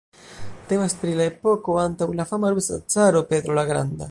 Temas pri la epoko antaŭ la fama rusa caro Petro la Granda.